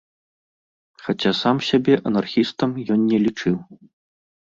Хаця сам сябе анархістам ён не лічыў.